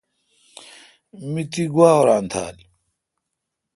می تی گوا اُوران تھال۔